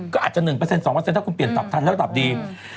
ก็อาจจะ๑๒ถ้าคุณเปลี่ยนตับทันถ้าตับดี